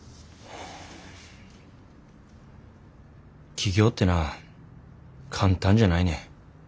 起業ってな簡単じゃないねん。